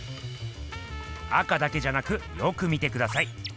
赤だけじゃなくよく見てください。